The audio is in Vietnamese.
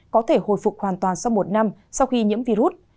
có thể hồi phục hoàn toàn sau một năm sau khi nhiễm virus